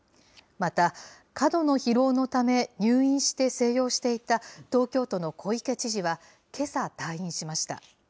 また過度の疲労のため、入院して静養していた東京都の小池知事は、けさ退院しました。